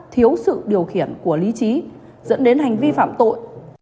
thiếu sự điều khiển của lý trí dẫn đến hành vi phạm tội